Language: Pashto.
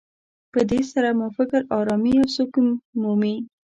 په دې سره مو فکر ارامي او سکون مومي.